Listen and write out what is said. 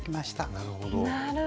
なるほど！